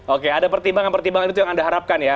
oke ada pertimbangan pertimbangan itu yang anda harapkan ya